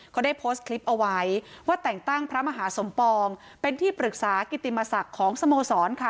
เขาได้โพสต์คลิปเอาไว้ว่าแต่งตั้งพระมหาสมปองเป็นที่ปรึกษากิติมศักดิ์ของสโมสรค่ะ